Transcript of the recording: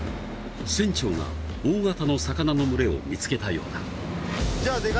船長が大型の魚の群れを見つけたようだじゃあ